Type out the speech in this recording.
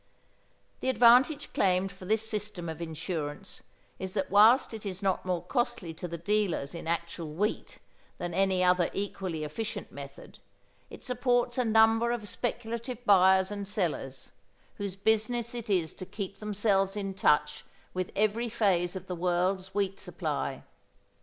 The advantage claimed for this system of insurance is that whilst it is not more costly to the dealers in actual wheat than any other equally efficient method, it supports a number of speculative buyers and sellers, whose business it is to keep themselves in touch with every phase of the world's wheat supply.